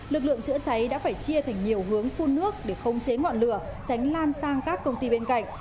lực lượng chữa cháy đã phải chia thành nhiều hướng phun nước để không chế ngọn lửa tránh lan sang các công ty bên cạnh